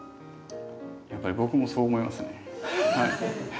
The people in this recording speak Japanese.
やっぱり僕もそう思いますね。